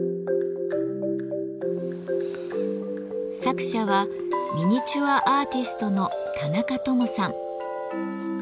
作者はミニチュアアーティストの田中智さん。